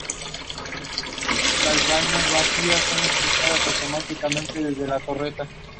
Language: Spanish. Actualmente está casada, tiene tres hijas y tres nietos.